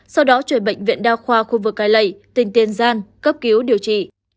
sau đó chuyển bệnh viện đa khoa khu vực cai lẩy tỉnh tiên gian cấp cứu điều trị